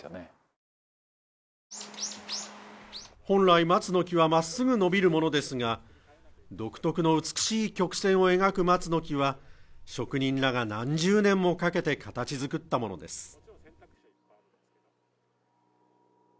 本来、松の木はまっすぐ伸びるものですが、独特の美しい曲線を描く松の木は職人らが何十年もかけて形作ったものです。